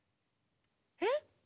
えっ？